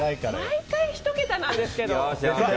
毎回１桁なんですけど。